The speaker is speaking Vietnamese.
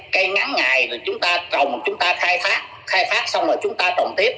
cây ngắn ngày rồi chúng ta trồng chúng ta khai phát khai phát xong rồi chúng ta trồng tiếp